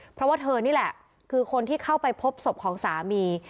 เพราะว่าเธอนี่แหละคือคนที่เข้าไปพบศพของสามี